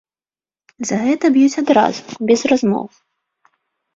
За гэта б'юць адразу, без размоў.